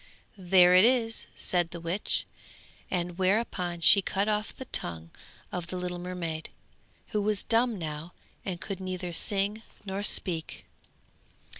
'There it is,' said the witch, and thereupon she cut off the tongue of the little mermaid, who was dumb now and could neither sing nor speak.